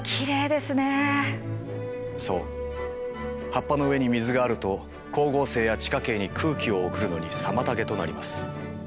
葉っぱの上に水があると光合成や地下茎に空気を送るのに妨げとなります。